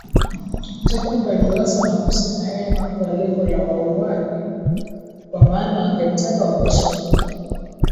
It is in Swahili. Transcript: Jacob aliwaza na kusema yeye hakuwa lengo la wauwaji kwa maana wangemtaka wangeshamuua